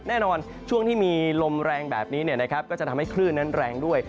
ในช่วงที่มีลมแรงแบบนี้ก็จะทำให้คลื่นนั้นแรงด้วย